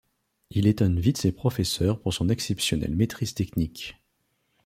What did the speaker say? Il étonne vite ses professeurs pour son exceptionnelle maîtrise technique.